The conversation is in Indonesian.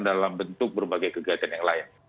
dalam bentuk berbagai kegiatan yang lain